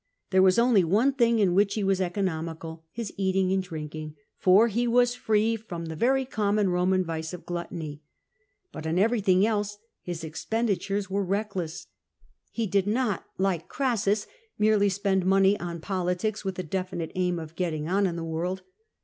There was only one thing in which he was economical, his eating and drinking, for he was free from the very common Roman vice of gluttony.^ But on every thing else his expenditure was reckless. He did not, like Crassus, merely spend money on politics with the definite aim of getting on in the world.